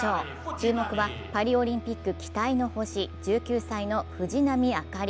注目はパリオリンピック期待の星、１９歳の藤波朱理。